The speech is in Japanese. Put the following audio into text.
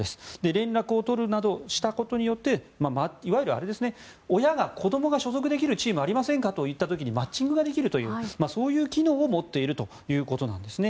連絡を取るなどしたことでいわゆる、親が子どもが所属できるチームありませんかという時にマッチングできるというそういう機能を持っているということなんですね。